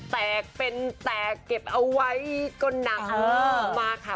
แตกเป็นแตกเก็บเอาไว้ก็หนักมากค่ะ